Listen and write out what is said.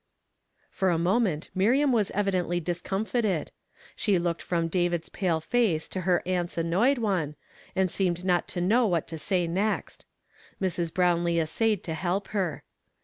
For a moment INIiriam Avas evidently discom fited ; slie looked from David's pale face to her aunt's annoyed one, and seemed not to know what to say next. ]\[rs. Brownlee essayed to help her.